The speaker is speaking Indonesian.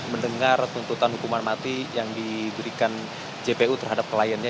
mendengar tuntutan hukuman mati yang diberikan jpu terhadap kliennya